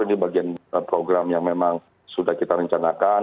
ini bagian program yang memang sudah kita rencanakan